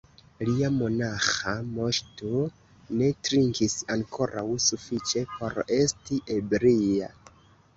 Lia monaĥa Moŝto ne trinkis ankoraŭ sufiĉe por esti ebria.